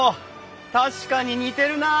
確かに似てるなあ。